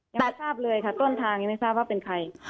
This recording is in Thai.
ยังไม่ทราบเลยค่ะต้นทางยังไม่ทราบว่าเป็นใคร